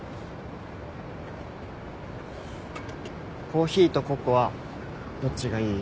コーヒーとココアどっちがいい？